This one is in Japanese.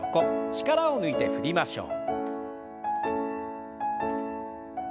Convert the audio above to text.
力を抜いて振りましょう。